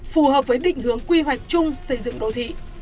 phù hợp với định hướng quy hoạch chung xây dựng đô thị